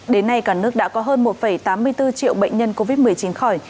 đến nay cả nước đã có hơn một tám mươi bốn triệu bệnh nhân covid một mươi chín khỏi